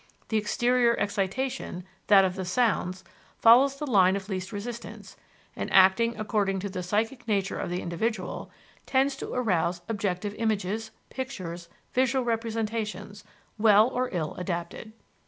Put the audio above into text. The exterior excitation, that of the sounds, follows the line of least resistance, and acting according to the psychic nature of the individual, tends to arouse objective images, pictures, visual representations, well or ill adapted.